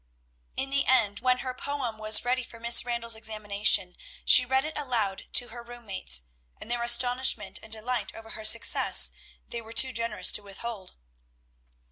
In the end, when her poem was ready for Miss Randall's examination, she read it aloud to her room mates, and their astonishment and delight over her success they were too generous to withhold.